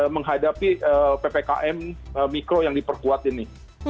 menghadapi ppkm mikro yang diperkuat ini